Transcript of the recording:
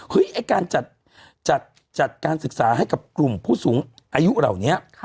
ไอ้การจัดการศึกษาให้กับกลุ่มผู้สูงอายุเหล่านี้